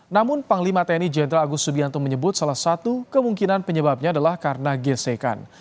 namun panglima tni jenderal agus subianto menyebut salah satu kemungkinan penyebabnya adalah karena gesekan